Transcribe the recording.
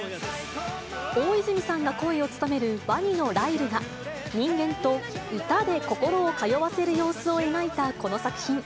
大泉さんが声を務めるワニのライルが、人間と歌で心を通わせる様子を描いたこの作品。